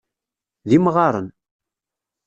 D imɣaren.